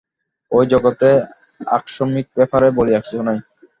এই জগতে আকস্মিক ব্যাপার বলিয়া কিছু নাই।